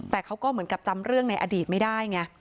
แต่เขาก็เหมือนกับจำเรื่องในอดีตไม่ได้ไง